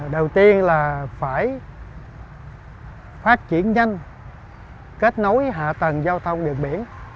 đầu tiên là phải phát triển nhanh kết nối hạ tầng giao thông đường biển